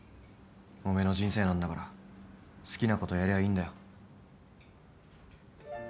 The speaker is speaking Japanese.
おめえの人生なんだから好きなことやりゃいいんだよ。